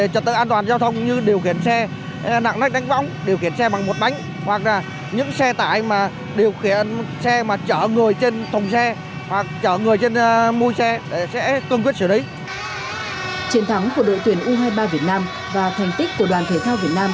chiến thắng của đội tuyển u hai mươi ba việt nam và thành tích của đoàn thể thao việt nam